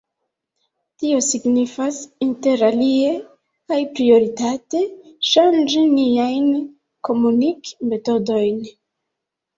Tio signifas interalie, kaj prioritate, ŝanĝi niajn komunik-metodojn.